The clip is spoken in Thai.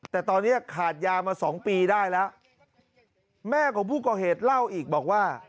แต่ตอนนี้ขาดยามาสองปีได้แล้วแม่ของผู้ก่อเหตุเล่าอีกบอกว่า